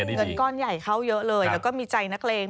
เงินก้อนใหญ่เข้าเยอะเลยแล้วก็มีใจนักเลง